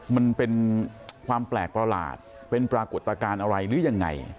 มันเป็นความแปลกประหลาดเป็นปรากฏการณ์อะไรหรือยังไง